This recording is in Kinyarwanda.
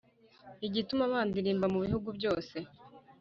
Igituma bandilimba mu bihugu byose,